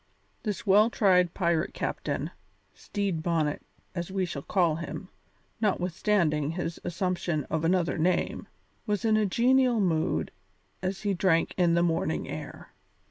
This well tried pirate captain Stede Bonnet, as we shall call him, notwithstanding his assumption of another name was in a genial mood as he drank in the morning air.